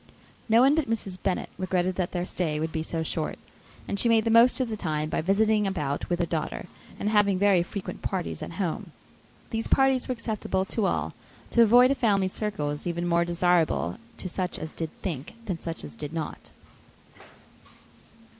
No one but Mrs. Bennet regretted that their stay would be so short; and she made the most of the time by visiting about with her daughter, and having very frequent parties at home. These parties were acceptable to all; to avoid a family circle was even more desirable to such as did think than such as did not.